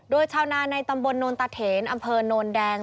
โดยชาวนาในตำบลโนนตะเถนอำเภอโนนแดง